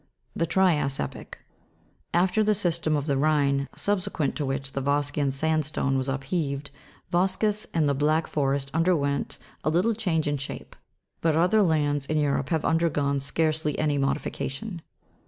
The trias epoch. After the system of the Rhine, subsequent to 196 THE TRIAS AND JURASSIC EPOCHS. which the vosgean sandstone was upheaved, Vpsges and the Black Forest underwent a little change in shape ; but other lands in Europe have undergone scarcely any modification.